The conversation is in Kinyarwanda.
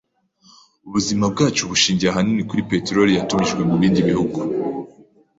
Ubuzima bwacu bushingiye ahanini kuri peteroli yatumijwe mubindi bihugu.